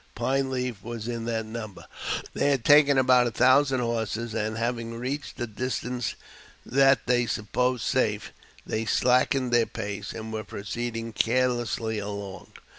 Pine Leaf was in the number. They had taken about a thousand horses, and, having reached a distance that they supposed safe, they slackened their pace, and were proceeding carelessly along.